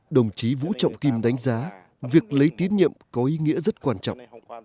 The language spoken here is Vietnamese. đồng chí vũ trọng kim đánh giá việc lấy tiến nhiệm có ý nghĩa rất quan trọng